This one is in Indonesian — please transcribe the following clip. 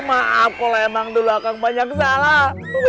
maaf kok emang dulu akang banyak salah